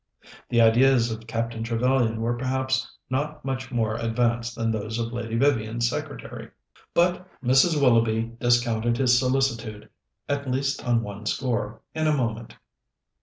The ideas of Captain Trevellyan were perhaps not much more advanced than those of Lady Vivian's secretary. But Mrs. Willoughby discounted his solicitude, at least on one score, in a moment.